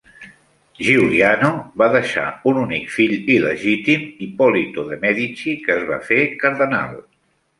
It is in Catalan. Giuliano va deixar un únic fill il·legítim, Ippolito de' Medici, que es va fer cardenal.